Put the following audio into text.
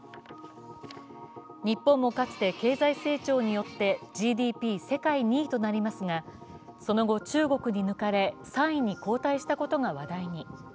日本もかつて経済成長によってＧＤＰ世界２位となりますが、その後、中国に抜かれ３位に後退したことが話題に。